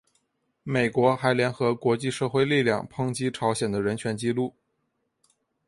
美国还联合国际社会力量抨击朝鲜的人权纪录。